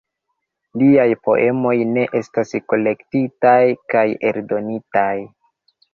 Liaj poemoj ne estas kolektitaj kaj eldonitaj.